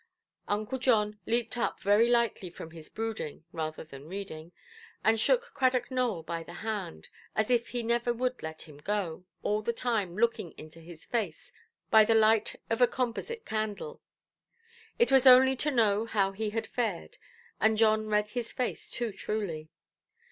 Uncle John leaped up very lightly from his brooding (rather than reading), and shook Cradock Nowell by the hand, as if he never would let him go, all the time looking into his face by the light of a composite candle. It was only to know how he had fared, and John read his face too truly.